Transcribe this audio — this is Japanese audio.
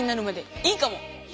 いいかも！